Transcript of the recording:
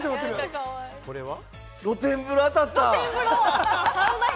露天風呂、当たった！